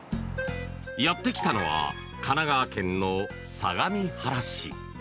やってきたのは神奈川県の相模原市。